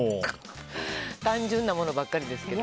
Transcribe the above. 単純なものばかりですけど。